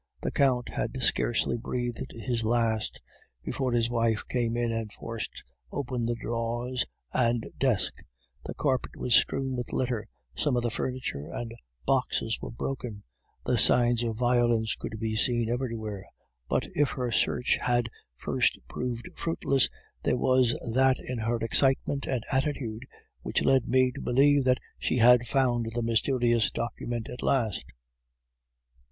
The Count had scarcely breathed his last before his wife came in and forced open the drawers and the desk; the carpet was strewn with litter, some of the furniture and boxes were broken, the signs of violence could be seen everywhere. But if her search had at first proved fruitless, there was that in her excitement and attitude which led me to believe that she had found the mysterious documents at last.